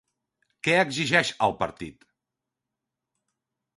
Què exigeix al partit?